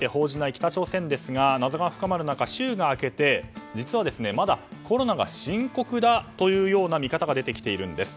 北朝鮮ですが謎が深まる中ですが週が明けて実はまだコロナが深刻だという見方が出てきているんです。